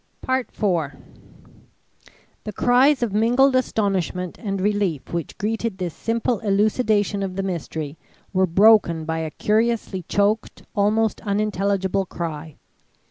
IV The cries of mingled astonishment and relief which greeted this simple elucidation of the mystery were broken by a curiously choked, almost unintelligible, cry.